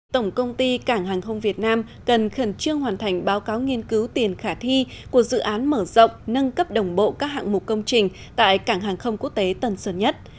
tổng công ty cảng hàng không việt nam cần khẩn trương hoàn thành báo cáo nghiên cứu tiền khả thi của dự án mở rộng nâng cấp đồng bộ các hạng mục công trình tại cảng hàng không quốc tế tân sơn nhất